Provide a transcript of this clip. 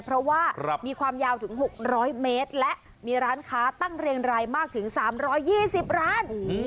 เพราะว่ามีความยาวถึง๖๐๐เมตรและมีร้านค้าตั้งเรียงรายมากถึง๓๒๐ร้าน